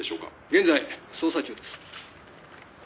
「現在捜査中です」